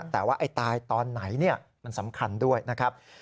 แต่ว่าไอ้ตายตอนไหนมันสำคัญด้วยนะครับ